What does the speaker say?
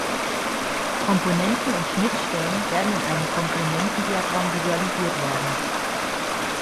Komponenten und Schnittstellen werden in einem Komponentendiagramm visualisiert werden.